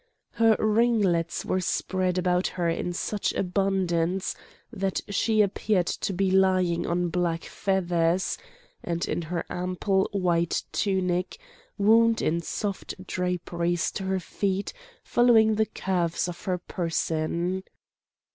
Her ringlets were spread about her in such abundance that she appeared to be lying on black feathers, and her ample white tunic wound in soft draperies to her feet following the curves of her person.